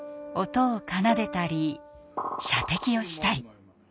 音を奏でたり射的をしたり。